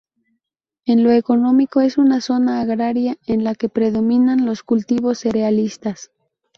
En lo económico es una zona agraria en la que predominan los cultivos cerealistas.